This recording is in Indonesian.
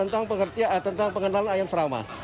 tentang pengenalan ayam serama